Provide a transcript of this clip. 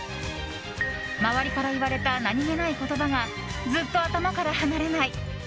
周りから言われた何気ない言葉がずっと頭から離れない。